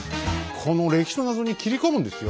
この歴史のナゾに切り込むんですよ？